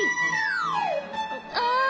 ああ。